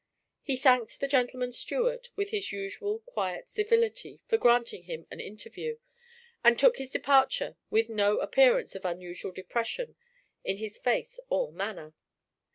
He thanked the gentleman's steward with his usual quiet civility for granting him an interview, and took his departure with no appearance of unusual depression in his face or manner.